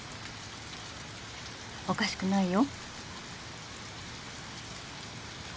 おかしくないよ。